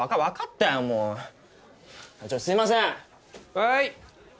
はい！